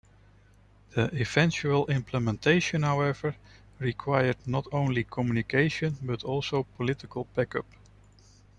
The eventual implementation, however, required not only communication, but also political backup.